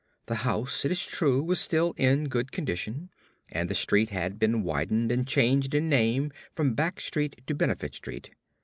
The house, it is true, was still in good condition; and the street had been widened and changed in name from Back Street to Benefit Street.